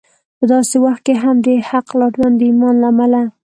په داسې وخت کې هم د حق لارویان د ایمان له امله